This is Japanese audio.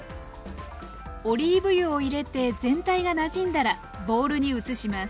オリーブ油を入れて全体がなじんだらボウルに移します。